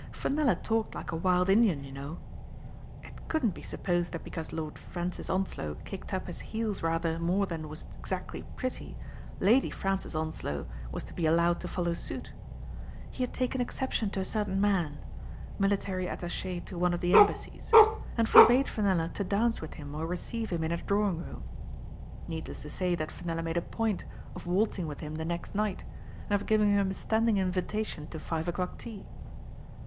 " Fenella talked like a wild Indian, you know. It couldn't be supposed that because Lord Fran cis Onslow kicked up his heels rather more than was exactly pretty. Lady Francis Onslow was to be allowed to follow suit. He had taken excep tion to a certain man — military attache to one of the Embassies — and forbade Fenella to dance with him or receive him in her drawing room. Needless to say that Fenella made a point of waltzing with him the next night, and of giving him a standing invitation to five o'clock tea.